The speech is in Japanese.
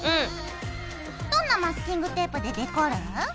どんなマスキングテープでデコる？